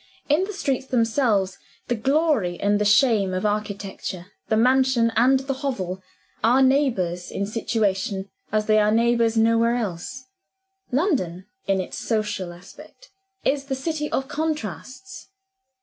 In the streets themselves, the glory and the shame of architecture the mansion and the hovel are neighbors in situation, as they are neighbors nowhere else. London, in its social aspect, is the city of contrasts.